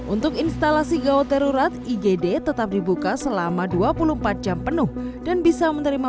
untuk instalasi gawat darurat igd tetap dibuka selama dua puluh empat jam penuh dan bisa menerima